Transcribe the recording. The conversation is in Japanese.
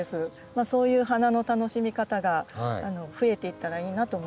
そういう花の楽しみ方が増えていったらいいなと思います。